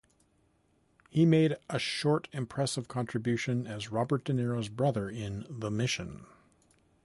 He made a short impressive contribution as Robert De Niro's brother in "The Mission".